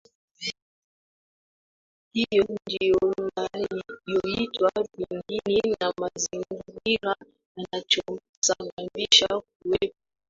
hiyo ndiyoinayoitwa Pigini na mazingira yanayosababisha kuwepo